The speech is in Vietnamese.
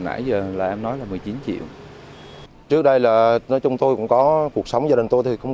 nãy giờ là em nói là một mươi chín triệu trước đây là nói chung tôi cũng có cuộc sống gia đình tôi thì cũng